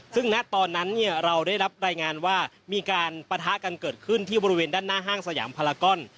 ซึ่งณตอนนั้นเราได้รับรายงานว่ามีการปะทะกันเกิดขึ้นที่บริเวณด้านหน้าห้างสยามพลาก้อน